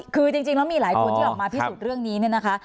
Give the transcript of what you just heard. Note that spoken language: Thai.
คือจริงแล้วมีหลายคนที่ออกมาพิสูจน์เรื่องนี้เนี่ยนะคะ